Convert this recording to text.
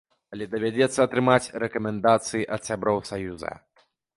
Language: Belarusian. Але давядзецца атрымаць рэкамендацыі ад сяброў саюза.